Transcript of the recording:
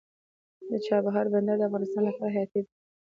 د چابهار بندر د افغانستان لپاره حیاتي دی